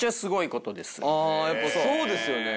あやっぱそうですよね。